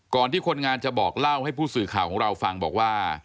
ที่คนงานจะบอกเล่าให้ผู้สื่อข่าวของเราฟังบอกว่า